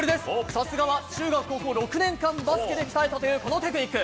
さすがは中学、高校６年間バスケで鍛えたというこのテクニック。